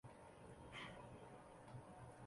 米拉山灯心草为灯心草科灯心草属的植物。